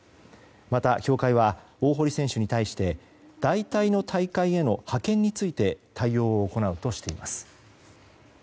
また、協会は大堀選手に対して代替の大会への派遣について対応を行うとしています。